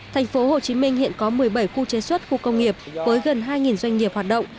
tp hcm hiện có một mươi bảy khu chế xuất khu công nghiệp với gần hai doanh nghiệp hoạt động